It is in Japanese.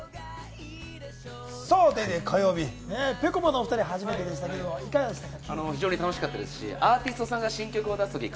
『ＤａｙＤａｙ．』火曜日、ぺこぱのお２人初めてでしたけど、いかがでしたか？